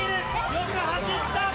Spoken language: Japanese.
よく走った！